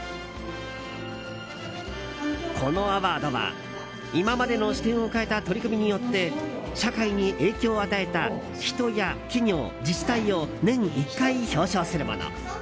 このアワードは、今までの視点を変えた取り組みによって社会に影響を与えた人や企業自治体を年１回表彰するもの。